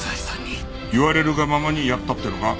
言われるがままにやったっていうのか？